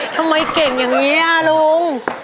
ทำไมเก่งอย่างนี้ลุง